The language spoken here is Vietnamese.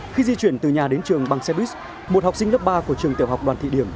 khi di chuyển từ nhà đến trường bằng xe buýt một học sinh lớp ba của trường tiểu học đoàn thị điểm